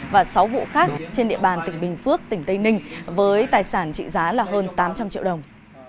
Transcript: và sáu vụ khác trên địa bàn tỉnh bình phước tỉnh tây ninh với tài sản trị giá là hơn tám trăm linh triệu đồng